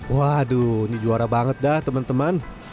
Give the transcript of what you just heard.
waduh ini juara banget dah teman teman